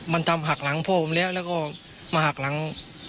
มันทำหักหลังพ่อผมแล้วแล้วก็มาหักหลัง